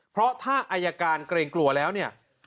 เพราะถ้าอายการเกรงกลัวแล้วเนี่ย